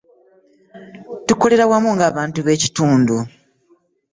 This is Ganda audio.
Tukolera wamu ng’abantu b’ekitundu.